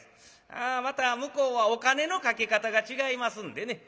ああまた向こうはお金のかけ方が違いますんでね